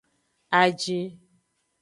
Ajin.